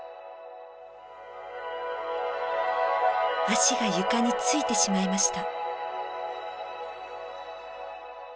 足が床についてしまいました。